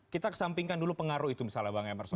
kita kesampingkan dulu pengaruh itu misalnya bang emerson